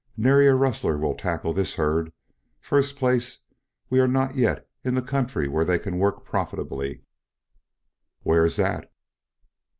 "Nary a rustler will tackle this herd. First place, we are not yet in the country where they can work profitably " "Where's that?"